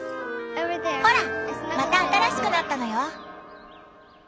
ほらまた新しくなったのよ！